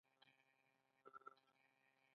د علامه رشاد لیکنی هنر مهم دی ځکه چې علتونه ښيي.